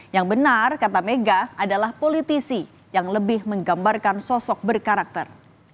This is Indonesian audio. yang benar kata mega adalah politisi yang lebih menggambarkan sosok berkarakter